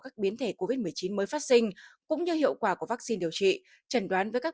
các biến thể covid một mươi chín mới phát sinh cũng như hiệu quả của vaccine điều trị trần đoán với các